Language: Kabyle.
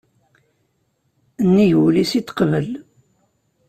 Nnig wul-is i t-teqbel.